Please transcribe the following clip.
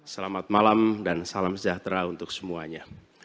selamat malam dan salam sejahtera untuk semuanya